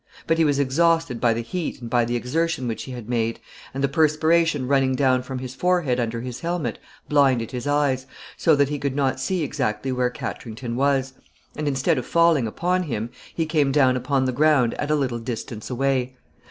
But he was exhausted by the heat and by the exertion which he had made, and the perspiration running down from his forehead under his helmet blinded his eyes, so that he could not see exactly where Katrington was, and, instead of falling upon him, he came down upon the ground at a little distance away.